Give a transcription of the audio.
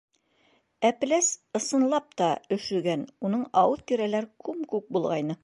Эпләс, ысынлап та, өшөгән, уның ауыҙ тирәләре күм-күк булғайны.